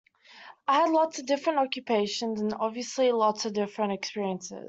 I had lots of different occupations and obviously lots of different experiences.